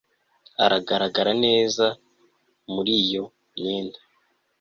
Agaragara neza muri iyo myenda